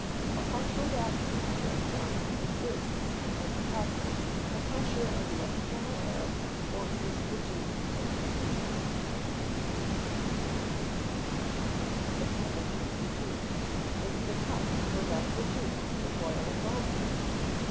A partial vacuum, therefore, exists within the cup, and the pressure of the external air forces the juice into it. 662. _Does the cup prevent the juice from boiling over?